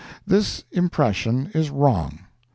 This impression is wrong.